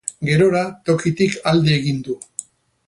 Gerora, tokitik alde egin du.